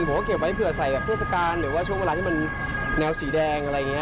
นี่ยืนลงไปแล้ว